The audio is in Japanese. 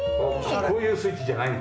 こういうスイッチじゃないんだ。